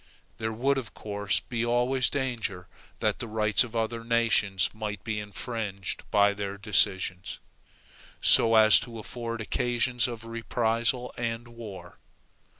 There would of course be always danger that the rights of other nations might be infringed by their decisions, so as to afford occasions of reprisal and war.